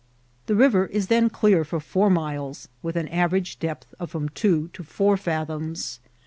The river is then clear for four miles, with an average depth of from two to four fathoms.